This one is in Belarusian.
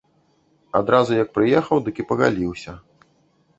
Адразу як прыехаў, дык і пагаліўся.